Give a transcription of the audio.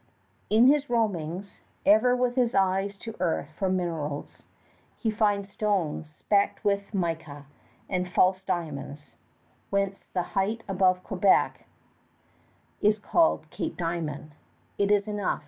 In his roamings, ever with his eyes to earth for minerals, he finds stones specked with mica, and false diamonds, whence the height above Quebec is called Cape Diamond. It is enough.